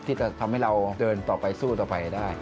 ที่จะทำให้เราเดินต่อไปสู้ต่อไปได้